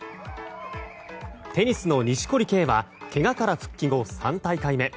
テニスの錦織圭はけがから復帰後３大会目。